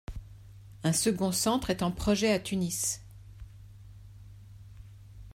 Un second centre est en projet à Tunis.